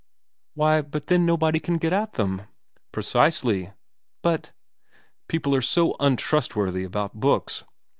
* Why but then nobody can get at them.' * Precisely.' But '' People are so untrustworthy about books.